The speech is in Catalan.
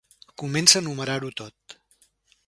Comença a numerar-ho tot.